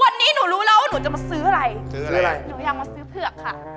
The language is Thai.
เหยินหน้าเห็นติดสิงเหลือ